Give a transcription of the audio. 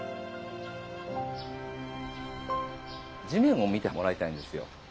地面を見てもらいたいんですよ。